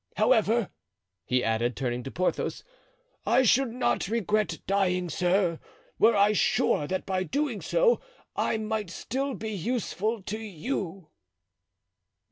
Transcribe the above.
However," he added, turning to Porthos, "I should not regret dying, sir, were I sure that by doing so I might still be useful to you."